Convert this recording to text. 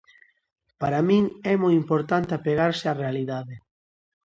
Para min é moi importante apegarse á realidade.